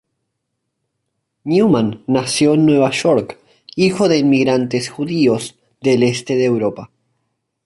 Newman nació en Nueva York, hijo de inmigrantes judíos del Este de Europa.